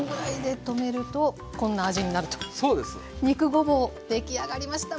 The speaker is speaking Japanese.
肉ごぼう出来上がりました。